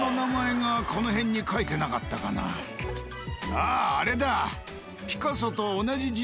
あああれだ。